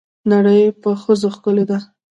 نړۍ په ښځو ښکلې ده.